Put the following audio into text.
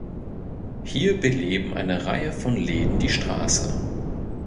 Hier beleben eine Reihe von Läden die Straße.